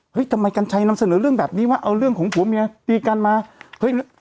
ทำไมกัญชัยนำเสนอเรื่องแบบนี้ว่าเอาเรื่องของผัวเมียตีกันมาเฮ้ย